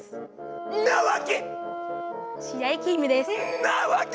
「んなわけ！